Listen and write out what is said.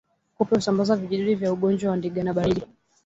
Kupe husamabaza vijidudu vya ugonjwa wa ndigana baridi